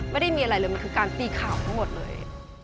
ไม่ได้มีอะไรเลยมันคือการตีข่าวทั้งหมดเลย